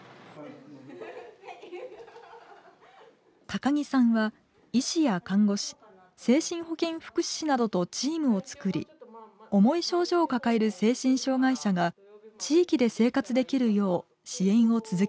高木さんは医師や看護師精神保健福祉士などとチームを作り重い症状を抱える精神障害者が地域で生活できるよう支援を続けています。